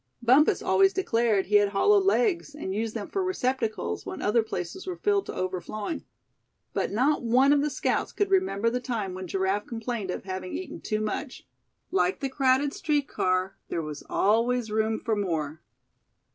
Bumpus always declared he had hollow legs, and used them for receptacles, when other places were filled to overflowing. But not one of the scouts could remember the time when Giraffe complained of having eaten too much. Like the crowded street car, there was always room for more.